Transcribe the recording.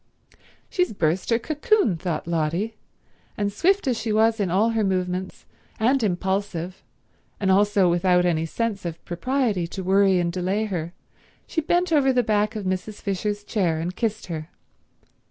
"She's burst her cocoon," thought Lotty; and swift as she was in all her movements, and impulsive, and also without any sense of propriety to worry and delay her, she bent over the back of Mrs. Fisher's chair and kissed her.